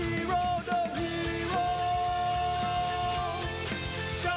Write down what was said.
สุดท้าย